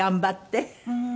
うん。